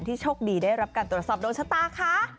ที่โชคดีได้รับการโทรศัพท์โดนชะตาค่ะ